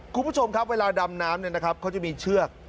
คุณผู้ชมครับเวลาดำน้ำเนี่ยนะครับเขาจะมีเชือก